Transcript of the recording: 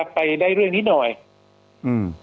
ไปได้เรื่องนี้หน่อยอืม